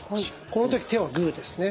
この時手はグーですね。